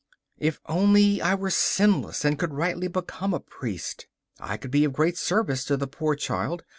If only I were sinless and could rightly become a priest, I could be of great service to the poor child.